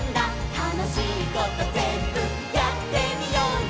「たのしいことぜんぶやってみようよ」